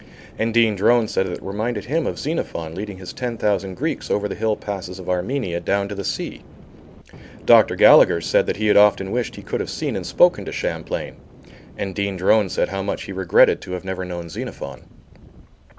And Dean Drone said that it reminded him of Xenophon leading his ten thousand Greeks over the hill passes of Armenia down to the sea. Dr. Gallagher said the he had often wished he could have seen and spoken to Champlain, and Dean Drone said how much he regretted to have never known Xenophon.